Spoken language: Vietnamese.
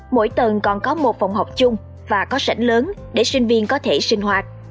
mỗi tầng còn có một phòng học chung và có sảnh lớn để sinh viên có thể sinh hoạt